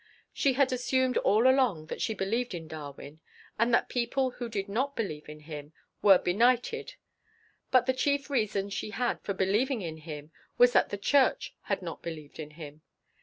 She had assumed all along that she believed in Darwin and that people who did not believe in him were benighted. But the chief reason she had for believing in him was that the church had not believed in him.